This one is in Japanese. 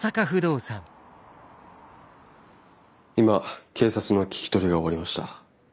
今警察の聞き取りが終わりました。